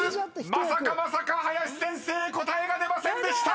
まさかまさか林先生答えが出ませんでした！］